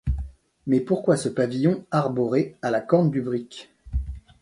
Mais pourquoi ce pavillon arboré à la corne du brick